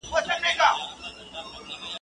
زور چي قدم کېږدي، هلته لېږدي.